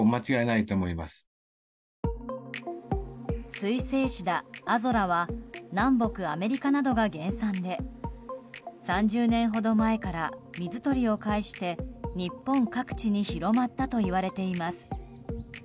水生シダ・アゾラは南北アメリカなどが原産で３０年ほど前から水鳥を介して日本各地に広まったといわれています。